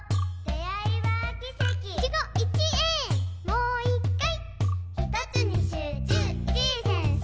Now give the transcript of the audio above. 「もう一回」